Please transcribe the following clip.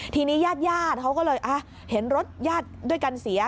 ทีนี้ญาติญาติเขาก็เลยเห็นรถญาติด้วยกันเสีย